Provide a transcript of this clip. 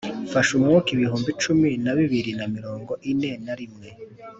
mfashe umwuka ibihumbi cumi na bibiri na mirongo ine na rimwe,